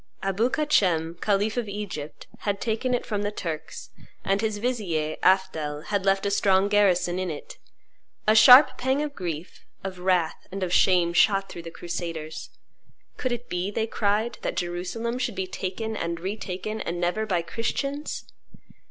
Abou Kacem, khalif of Egypt, had taken it from the Turks; and his vizier, Afdhel, had left a strong garrison in it. A sharp pang of grief, of wrath, and of shame shot through the crusaders. "Could it be," they cried, "that Jerusalem should be taken and retaken, and never by Christians?"